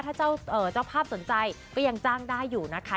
ถ้าเจ้าภาพสนใจก็ยังจ้างได้อยู่นะคะ